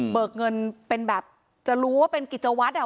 เงินเป็นแบบจะรู้ว่าเป็นกิจวัตรอ่ะ